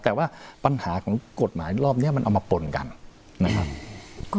แต่ว่าปัญหาของกฎหมายรอบนี้มันเอามาป่นกันนะครับ